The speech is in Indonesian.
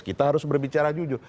kita harus berbicara jujur